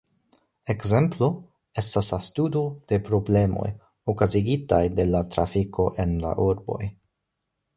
Ekzemplo estas la studo de la problemoj okazigitaj de la trafiko en la urboj.